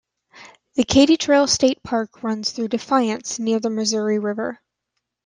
The Katy Trail State Park runs through Defiance near the Missouri River.